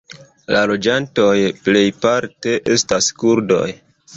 La loĝantoj plejparte estas kurdoj.